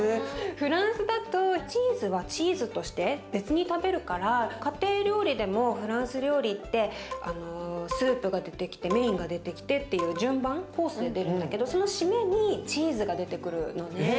フランスだとチーズはチーズとして別に食べるから家庭料理でもフランス料理ってスープが出てきてメインが出てきてっていう順番コースで出るんだけどその締めにチーズが出てくるのね。